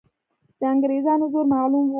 د انګریزانو زور معلوم وو.